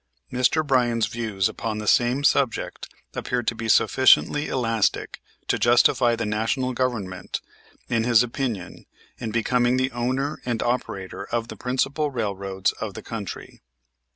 Mr. Bryan's views upon the same subject appear to be sufficiently elastic to justify the National Government, in his opinion, in becoming the owner and operator of the principal railroads of the country.